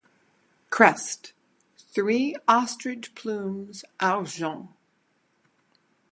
Crest: three ostrich plumes Argent.